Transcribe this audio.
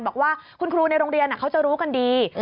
บอกว่าคุณครูในโรงเรียนเขาจะรู้กันดี